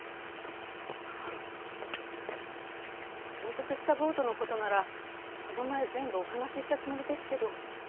転覆したボートのことならこの前全部お話ししたつもりですけど。